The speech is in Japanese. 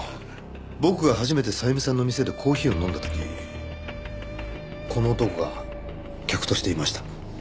僕が初めてさゆみさんの店でコーヒーを飲んだ時この男が客としていました。